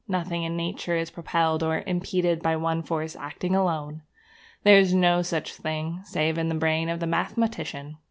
Nothing in nature is propelled or impeded by one force acting alone. There is no such thing, save in the brain of the mathematician.